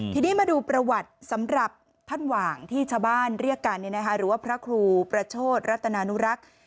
ทีนี้มาดูประวัติสำหรับท่านหว่างที่ชาวบ้านเรียกกันหรือว่าพระครูประโชธรัตนานุรักษ์